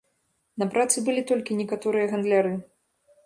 На працы былі толькі некаторыя гандляры.